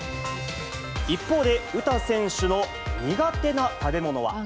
一方で、詩選手の苦手な食べ物は。